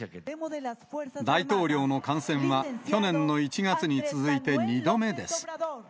大統領の感染は、去年の１月に続いて２度目です。